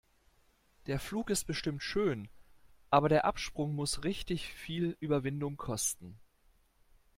Der Flug ist bestimmt schön, aber der Absprung muss richtig viel Überwindung kosten.